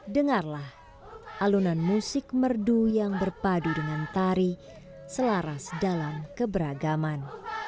dengarlah alunan musik merdu yang berpadu dengan tari selaras dalam keberagaman